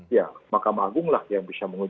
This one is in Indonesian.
ya mahkamah agung lah yang bisa mengundang